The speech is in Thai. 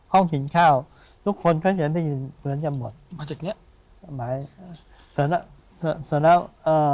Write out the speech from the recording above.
ห้องกินข้าวทุกคนเขาจะได้ยินเหมือนจะหมดมาจากเนี้ยหมายแต่แล้วแต่แล้วเอ่อ